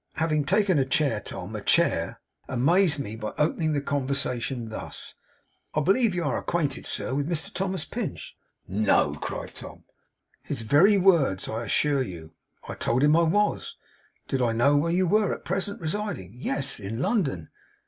Having taken a chair, Tom, a chair amazed me by opening the conversation thus: "I believe you are acquainted, sir, with Mr Thomas Pinch?" 'No!' cried Tom. 'His very words, I assure you. I told him I was. Did I know where you were at present residing? Yes. In London?